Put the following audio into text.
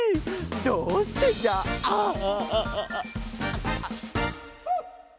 どうしてじゃああああ。